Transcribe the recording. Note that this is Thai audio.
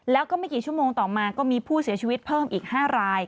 แล้วก็ไม่กี่ชั่วโมงต่อมาก็มีผู้เสียชีวิตเพิ่มอีก๕ราย